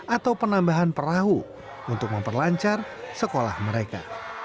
atau penambahan perahu untuk memperlancar sekolah mereka